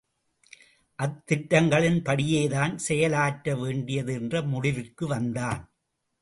அத்திட்டங்களின் படியேதான் செயலாற்ற வேண்டியது என்ற முடிவிற்கு வந்தான் அவன்.